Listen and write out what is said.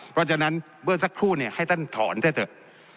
เพราะฉะนั้นเมื่อสักครู่ให้ท่านถอนซะเถอะ